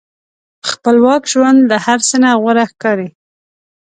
خپلواک ژوند له هر څه نه غوره ښکاري.